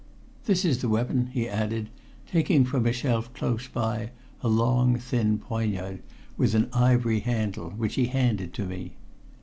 "This is the weapon," he added, taking from a shelf close by a long, thin poignard with an ivory handle, which he handed to me.